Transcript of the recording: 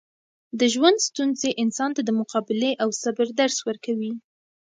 د ژوند ستونزې انسان ته د مقابلې او صبر درس ورکوي.